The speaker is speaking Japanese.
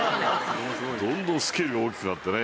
どんどんスケールが大きくなってね。